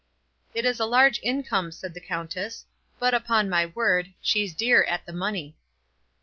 "It is a large income," said the countess; "but, upon my word, she's dear at the money."